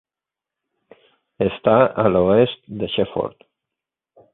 Està a l'oest de Shefford.